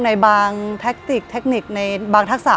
ในบางแทิกในบางทักษะ